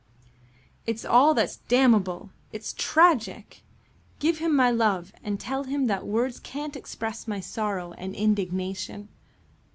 "It's all that's damnable. It's tragic. Give him my love and tell him that words can't express my sorrow and indignation."